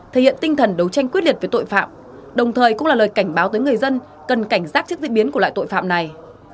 thể hiện tinh thần đấu tranh quyết liệt với tội phạm đồng thời cũng là lời cảnh báo tới người dân cần cảnh giác trước diễn biến của loại tội phạm này